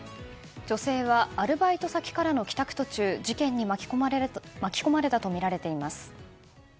女性はアルバイト先からの帰宅途中事件に巻き込まれたとみられています。